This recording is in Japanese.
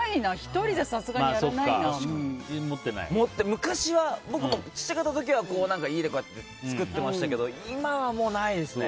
昔は僕も小さかった時は家で作ってましたけど今はもう、ないですね。